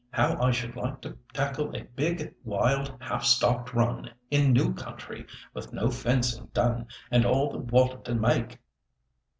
How I should like to tackle a big, wild, half stocked run in new country, with no fencing done, and all the water to make!"